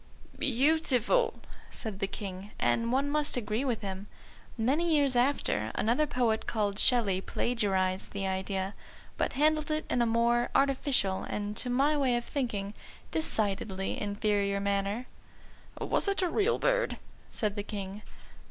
_" "Beautiful," said the King, and one must agree with him. Many years after, another poet called Shelley plagiarised the idea, but handled it in a more artificial, and, to my way of thinking, decidedly inferior manner. "Was it a real bird?" said the King.